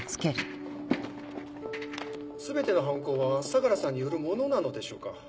全ての犯行は相良さんによるものなのでしょうか。